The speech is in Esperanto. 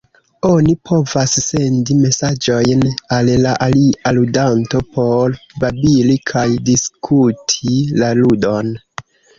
Oni povas sendi mesaĝojn al la alia ludanto por babili kaj diskuti la ludon.